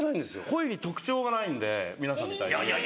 声に特徴がないんで皆さんみたいにね。